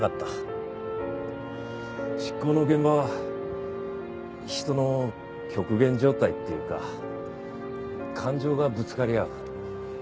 執行の現場は人の極限状態っていうか感情がぶつかり合う。